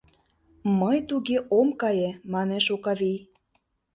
— Мый туге ом кае! — манеш Окавий.